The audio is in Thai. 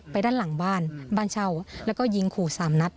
ด้านหลังบ้านบ้านเช่าแล้วก็ยิงขู่๓นัด